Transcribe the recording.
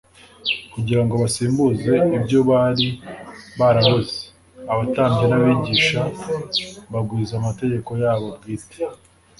Kugira ngo basimbuze ibyo bari barabuze, abatambyi n'abigisha bagwiza amategeko yabo bwite.